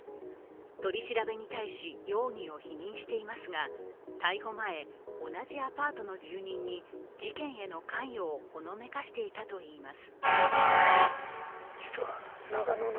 取り調べに対し容疑を否認していますが逮捕前、同じアパートの住人に事件への関与をほのめかしていたといいます。